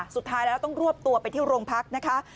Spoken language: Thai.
สุดท้ายแล้วต้องรวบตัวไปที่โรงพักนะคะ